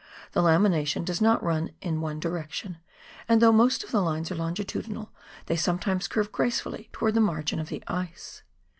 The lamination does not run in one direction, and though most of the lines are longitudinal they sometimes curve gracefully towards the margin of the ice.